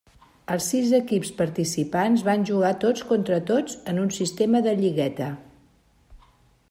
Els sis equips participants van jugar tots contra tots en un sistema de lligueta.